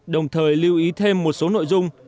đồng thời lưu ý thêm một số nội dung